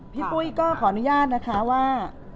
ปุ้ยก็ขออนุญาตนะคะว่า